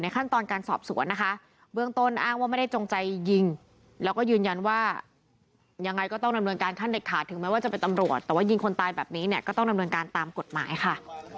ก็ต้องดำเนินการตามกฎหมายค่ะ